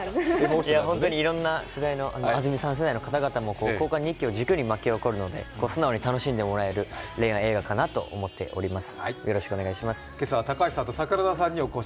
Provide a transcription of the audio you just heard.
いろんな世代の方々も交換日記を軸に巻き起こるので素直に楽しんでいただける恋愛映画かなと思います。